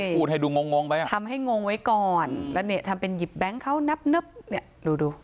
พูดให้ดูงงงไปอ่ะทำให้งงไว้ก่อนแล้วเนี่ยทำเป็นหยิบแบงค์เขานับนับเนี่ยดูดู